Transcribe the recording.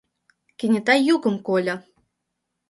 Кенета йӱкым кольо: